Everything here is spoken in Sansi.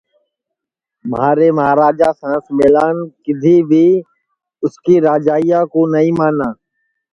مہارے مہاراجا سین ملان کِدھی بھی اُس کی راجائیا کُو نائی مانا